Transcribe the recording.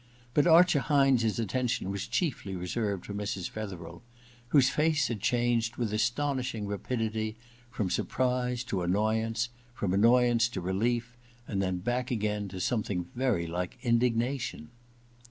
But Archer Hynes's attention was chiefly reserved for Mrs. Fetherel, whose face had changed V EXPIATION 117 with astonishing rapidity from surprise to annoy ance, from annoyance to relief, and then back again to something very like indignation.